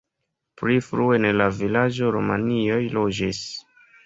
Pli frue en la vilaĝo romianoj loĝis.